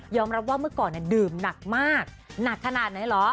รับว่าเมื่อก่อนดื่มหนักมากหนักขนาดไหนเหรอ